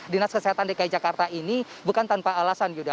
dinas kesehatan dki jakarta ini bukan tanpa alasan yuda